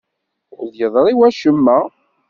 Ur d-yeḍri wacemma.